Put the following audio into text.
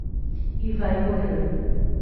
Ivaiporã